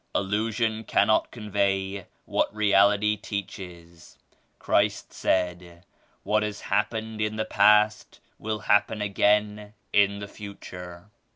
"Allusion cannot convey what Reality teaches. Christ said 'what has happened in the past will happen again in the future.'